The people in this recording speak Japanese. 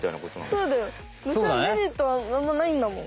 そうだよ。